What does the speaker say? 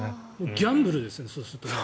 ギャンブルですねそうすると。